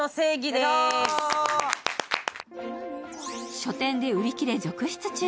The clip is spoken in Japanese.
書店で売り切れ続出中。